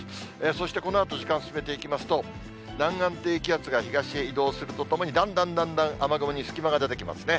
そしてこのあと時間進めていきますと、南岸低気圧が東へ移動するとともに、だんだんだんだん雨雲に隙間が出てきますね。